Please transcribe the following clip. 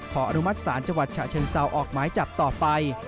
อนุมัติศาลจังหวัดฉะเชิงเซาออกหมายจับต่อไป